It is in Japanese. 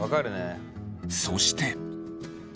そして。